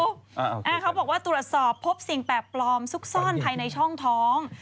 อ่าเขาบอกว่าตรวจสอบพบสิ่งแปลกปลอมซุกซ่อนภายในช่องท้อง